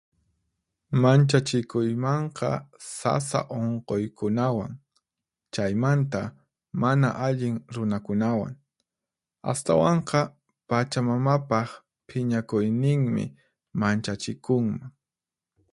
Manchachikuymanqa sasa unquykunawan, chaymanta mana allin runakunawan. Astawanqa, pachamamapaq phiñakuyninmi manchachikunman.